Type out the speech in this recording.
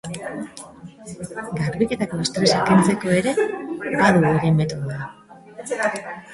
Garbiketako estresa kentzeko ere, badu bere metodoa.